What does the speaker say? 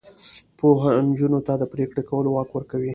پوهه نجونو ته د پریکړې کولو واک ورکوي.